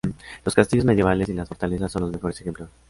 Los castillos medievales y las fortalezas son los mejores ejemplos.